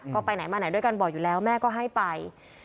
ก็ไปไหนมาไหนด้วยกันบ่อยอยู่แล้วแม่ก็ให้ไป